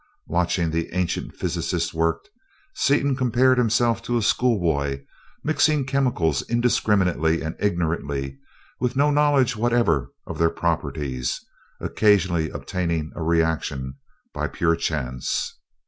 Watching the ancient physicist work, Seaton compared himself to a schoolboy mixing chemicals indiscriminately and ignorantly, with no knowledge whatever of their properties, occasionally obtaining a reaction by pure chance.